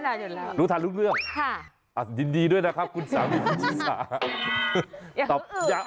เขารู้ทันรุ่นเรื่องค่ะดินดีด้วยนะครับคุณสามีพิจิษฐา